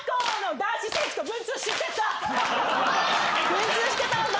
文通してたんだ。